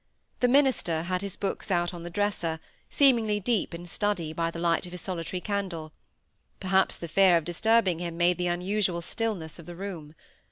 The minister had his books out on the dresser, seemingly deep in study, by the light of his solitary candle; perhaps the fear of disturbing him made the unusual stillness of the room.